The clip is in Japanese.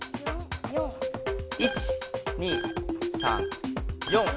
１２３４。